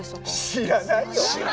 知らないよ。